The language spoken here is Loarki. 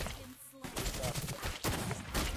ھون ٿارو گھر وارو ھون